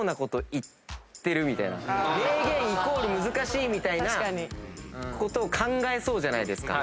名言イコール難しいみたいなことを考えそうじゃないですか。